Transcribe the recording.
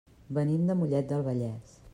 Venim de Mollet del Vallès.